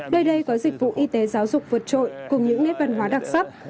nơi đây có dịch vụ y tế giáo dục vượt trội cùng những nét văn hóa đặc sắc